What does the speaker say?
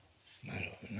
なるほどね。